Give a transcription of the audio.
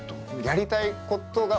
「やりたいことが」